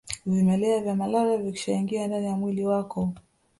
Vimelea vya malaria vikishaingia ndani ya mwili wako